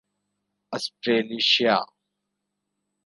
Australasia